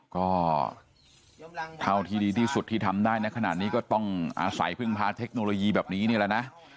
ก็เท่าที่ดีที่สุดที่ทำได้ในขณะนี้ก็ต้องอาศัยพึ่งพาเทคโนโลยีแบบนี้นี่แหละนะ